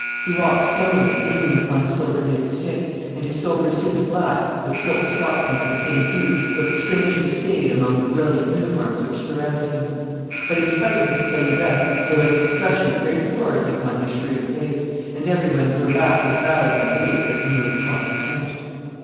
He walked slowly, leaning upon a silver headed stick, and his sober suit of black, with silk stockings of the same hue, looked strangely staid among the brilliant uniforms which surrounded him. But in spite of his plain dress there was an expression of great authority upon his shrewd face, and every one drew back with bows and salutes as he moved across the tent.